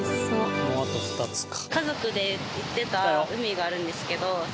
もうあと２つか。